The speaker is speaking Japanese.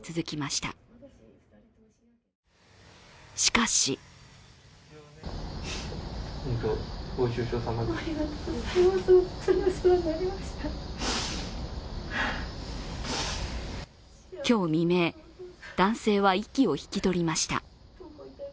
しかし今日未明、男性は息を引き取りました。